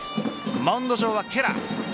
マウンド上はケラー。